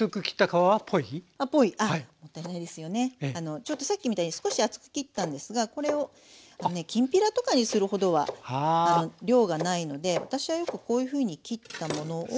ちょうどさっきみたいに少し厚く切ったんですがこれをきんぴらとかにするほどは量がないので私はよくこういうふうに切ったものを。